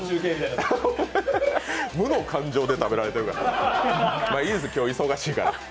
無の感情で食べられてますから。